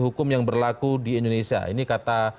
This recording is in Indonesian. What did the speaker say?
hukum yang berlaku di indonesia ini kata